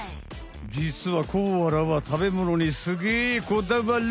じつはコアラはたべものにすげえこだわる！